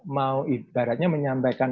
mau ibaratnya menyampaikan